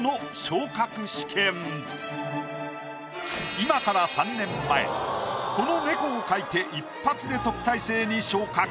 今から３年前この猫を描いて一発で特待生に昇格！